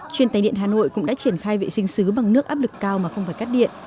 truyền tài điện hà nội cũng đã triển khai vệ sinh xứ bằng nước áp lực cao mà không phải cắt điện